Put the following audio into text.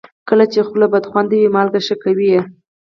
کله چې خوله بدخوند وي، مالګه ښه کوي.